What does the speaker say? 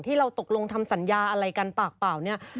ที่เราตกลงทำสัญญาอะไรกันเปล่า